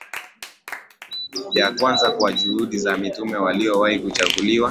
ya kwanza Kwa juhudi za Mitume waliowahi kuchaguliwa